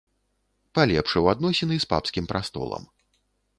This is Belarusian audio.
Палепшыў адносіны з папскім прастолам.